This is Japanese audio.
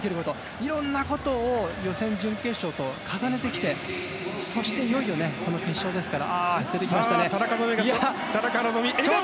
いろんなことを予選、準決勝と重ねてきて、そしていよいよこの決勝ですから。